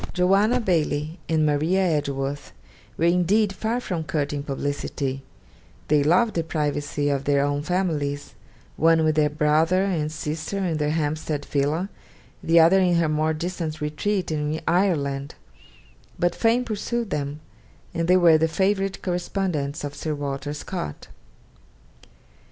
Joanna Baillie and Maria Edgeworth were indeed far from courting publicity; they loved the privacy of their own families, one with her brother and sister in their Hampstead villa, the other in her more distant retreat in Ireland; but fame pursued them, and they were the favourite correspondents of Sir Walter Scott.